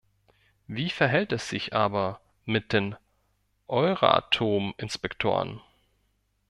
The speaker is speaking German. Wie verhält es sich aber mit den Euratom-Inspektoren?